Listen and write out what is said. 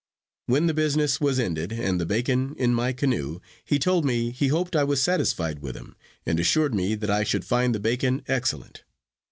When the business was ended, and the bacon in my canoe, he told me, he hoped I was satisfied with him; and assured me, that I should find the bacon excellent.